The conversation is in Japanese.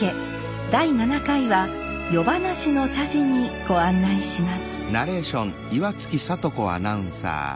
第七回は夜咄の茶事にご案内します。